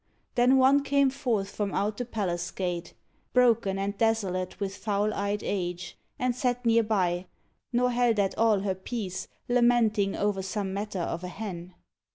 Then one came forth from out the palace gate — Broken and desolate with foul eyed age. And sat near by, nor held at all her peace, Lamenting o'er some matter of a hen.